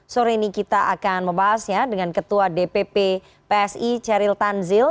sore ini kita akan membahasnya dengan ketua dpp psi ceril tanzil